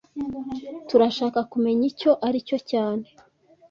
Turashaka kumenya icyo aricyo cyane